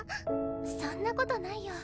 そんなことないよ